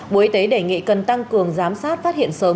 bộ y tế đề nghị cần tăng cường giám sát phát hiện sớm